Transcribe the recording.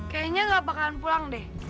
kayaknya nggak bakalan pulang deh